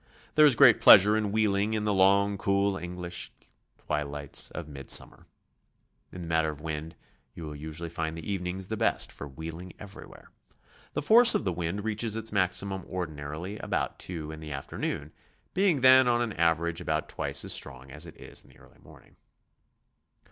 There is great pleasure in wheeling in the long, cool English twi lights of mid summer. In the matter of wind, you will usu ally find the evenings the best for wheeling everywhere. The force of the wind reaches its maximum ordinarily about two in the afternoon, being then on an avet p'^e about twice as strong as it is in the early morning.